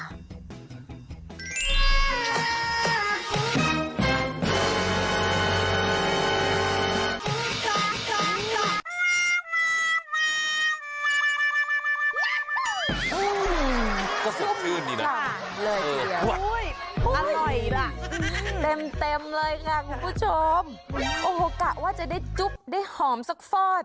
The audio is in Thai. อร่อยแหละเต็มเต็มเลยค่ะคุณผู้ชมโอ้โหกะว่าจะได้จุ๊กได้หอมสักฟอด